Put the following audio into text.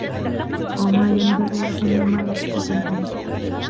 وما ينبغي لهم وما يستطيعون